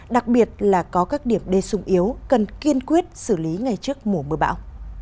đặc biệt là có các điểm đê sung yếu cần kiên quyết xử lý ngay trước mùa mưa bão